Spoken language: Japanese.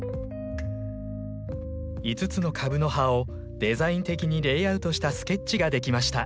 ５つの株の葉をデザイン的にレイアウトしたスケッチが出来ました。